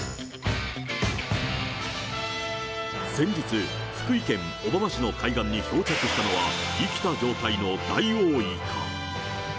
先日、福井県小浜市の海岸に漂着したのは、生きた状態のダイオウイカ。